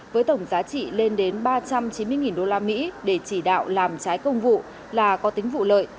với tổng giá trị lên đến ba trăm chín mươi usd để chỉ đạo làm trái công vụ là có tính vụ lợi